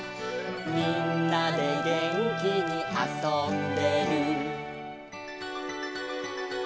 「みんなでげんきにあそんでる」